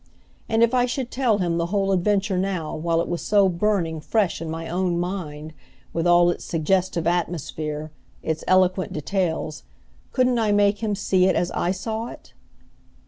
And, if I should tell him the whole adventure now while it was so burning fresh in my own mind, with all its suggestive atmosphere, its eloquent details, couldn't I make him see it as I saw it?